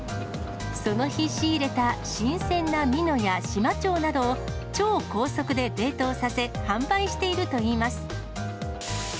その日仕入れた新鮮なミノやシマチョウなどを、超高速で冷凍させ販売しているといいます。